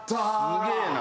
すげえな。